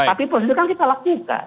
tapi politik kan kita lakukan